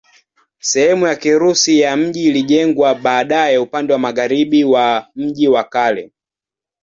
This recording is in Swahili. Sehemu ya Kirusi ya mji ilijengwa baadaye upande wa magharibi wa mji wa kale.